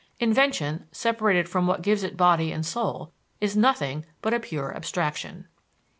Invention, separated from what gives it body and soul, is nothing but a pure abstraction.